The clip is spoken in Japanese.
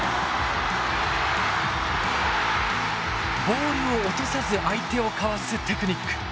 ボールを落とさず相手をかわすテクニック。